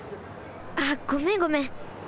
あっごめんごめん。